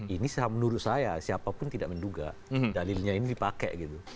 ini menurut saya siapapun tidak menduga dalilnya ini dipakai gitu